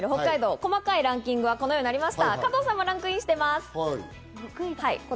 細かいランキングはこのようになりました。